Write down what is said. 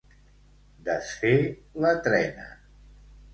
Desfer la trena.